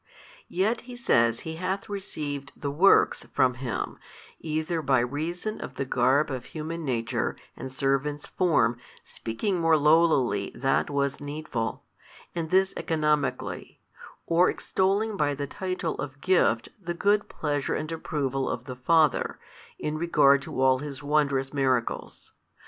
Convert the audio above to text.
Yet He says He hath received the Works from Him, either by reason of the garb of human nature and servant's form speaking more lowlily that was needful, and this economically, or extolling by the title of gift the good Pleasure and Approval of the Father, in regard to all His wondrous Miracles.